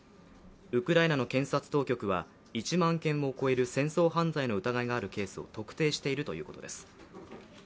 ウクライナの検察当局は１万件を超える戦争犯罪の疑いがあるケースを特定しているということです。